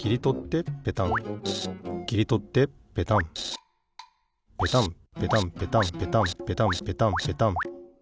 ペタンペタンペタンペタンペタンペタンペタン！